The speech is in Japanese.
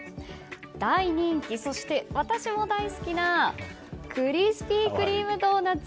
大人気、そして私も大好きなクリスピー・クリーム・ドーナツ。